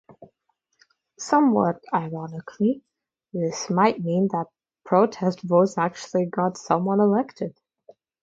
Somewhat ironically, this might mean that protest votes actually got someone elected.